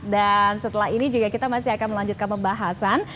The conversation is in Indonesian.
dan setelah ini juga kita masih akan melanjutkan pembahasan